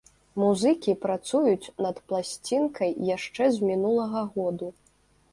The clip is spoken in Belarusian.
Музыкі працуюць над пласцінкай яшчэ з мінулага года.